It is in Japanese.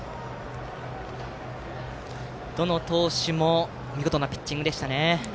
どの投手も見事なピッチングでしたね。